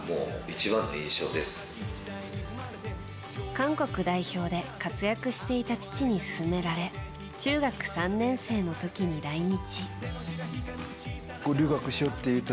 韓国代表で活躍していた父に勧められ中学３年生の時に来日。